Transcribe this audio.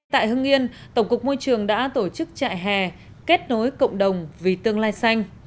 tại hưng yên tổng cục môi trường đã tổ chức trại hè kết nối cộng đồng vì tương lai xanh